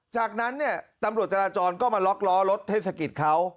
จากนั้นเนี่ยตำรวจจราจรก็มาล็อกล้อรถเทศกิจเขา